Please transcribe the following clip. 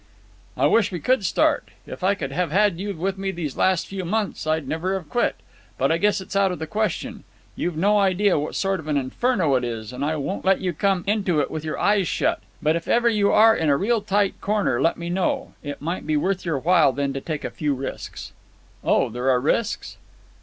"I wish we could start. If I could have had you with me these last few months I'd never have quit. But I guess it's out of the question. You've no idea what sort of an inferno it is, and I won't let you come into it with your eyes shut. But if ever you are in a real tight corner let me know. It might be worth your while then to take a few risks." "Oh! there are risks?"